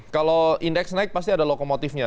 kalau indeks naik pasti ada lokomotifnya